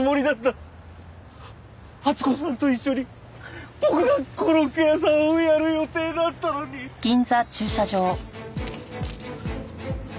温子さんと一緒に僕がコロッケ屋さんをやる予定だったのに！